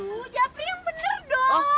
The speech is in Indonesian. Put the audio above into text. duh jafri yang bener dong